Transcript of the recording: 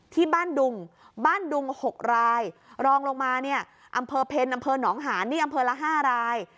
ที่บ้านดุงบ้านดุง๖รายรองลงมาเนี่ยอำเภอเพ็ญอำเภอหนองหานนี่อำเภอละ๕ราย